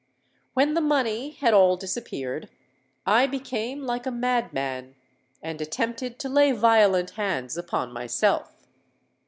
When the money had all disappeared, I became like a madman, and attempted to lay violent hands upon myself.